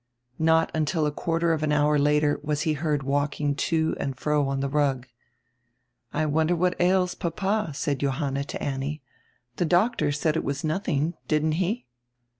Not until a quarter of air hour later was he heard walking to and fro on the rug. "I wonder what ails papa?" said Johanna to Annie. "The doctor said it was nodiing, didn't he?"